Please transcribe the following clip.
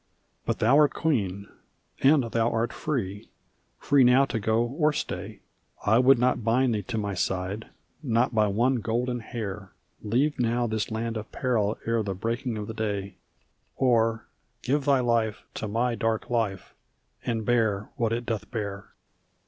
"But thou art queen, and thou art free; free now to go or stay, I would not bind thee to my side not by one golden hair. Leave thou this land of peril e'er the breaking of the day, Or give thy life to my dark life and bear what it doth bear."